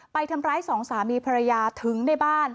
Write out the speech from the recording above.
ไปทำร้ายสองสามีภรรยาถึงในบ้าน